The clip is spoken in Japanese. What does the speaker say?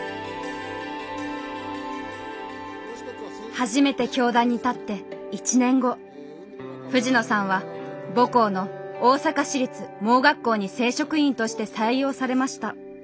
初めて教壇に立って１年後藤野さんは母校の大阪市立盲学校に正職員として採用されました。